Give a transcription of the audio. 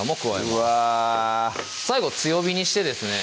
うわ最後強火にしてですね